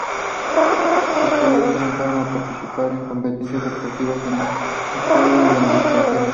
Los judíos comenzaron a participar en competiciones deportivas en Estonia y en el extranjero.